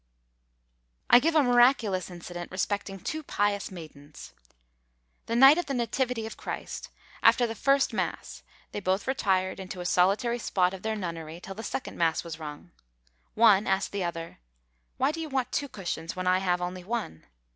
I give a miraculous incident respecting two pious maidens. The night of the Nativity of Christ, after the first mass, they both retired into a solitary spot of their nunnery till the second mass was rung. One asked the other, "Why do you want two cushions, when I have only one?"